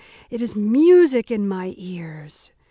it is music in my ears!